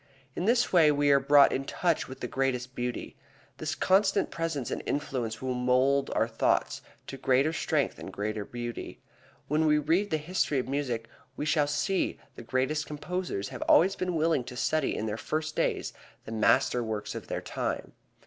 In this way we are brought in touch with the greatest thought. This constant presence and influence will mold our thoughts to greater strength and greater beauty. When we read the history of music, we shall see that the greatest composers have always been willing to study in their first days the master works of their time.